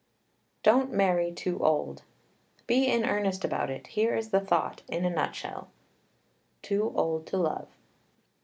Don't marry too old. Be in earnest about it. Here is the thought in a nut shell: TOO OLD TO LOVE.